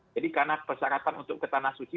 jadi karena persyaratan untuk ke tanah suci